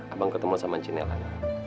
abang ketemu sama cimelan